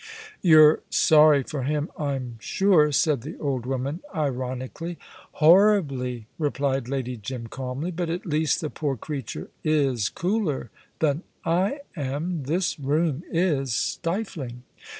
"You're sorry for him, I'm sure," said the old woman, ironically. "Horribly," replied Lady Jim, calmly; "but at least the poor creature is cooler than I am. This room is stifling."